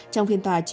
trong phiên tòa